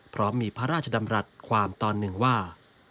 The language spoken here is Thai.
พร้อมมีพระราชดำรัฐความตอนหนึ่งว่า